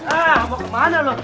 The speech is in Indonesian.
ah mau kemana lo